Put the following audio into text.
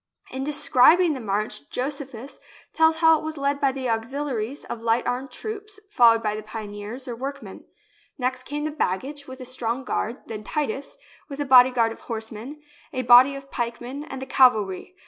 In describing the march Josephus tells how it was led by the auxiliaries of light armed troops, followed by the pioneers, or workmen. Next came the baggage, with a strong guard, then Titus, with a bodyguard of horsemen, a body of pikemen, and the cavalry.